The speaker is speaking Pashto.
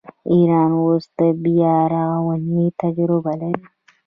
ایران اوس د بیارغونې تجربه لري.